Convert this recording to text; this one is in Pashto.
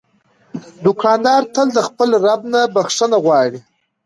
دوکاندار تل د خپل رب نه بخښنه غواړي.